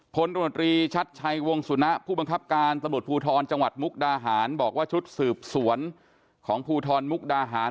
ผลตรวจรีชัดชัยวงสุนะผู้บังคับการตำรวจภูทรจังหวัดมุกดาหารบอกว่าชุดสืบสวนของภูทรมุกดาหาร